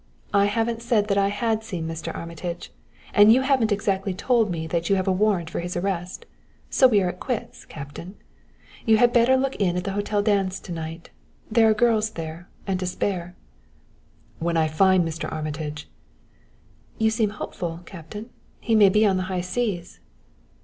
I haven't said that I had seen Mr. Armitage; and you haven't exactly told me that you have a warrant for his arrest; so we are quits, Captain. You had better look in at the hotel dance to night. There are girls there and to spare." "When I find Mr. Armitage " "You seem hopeful, Captain. He may be on the high seas."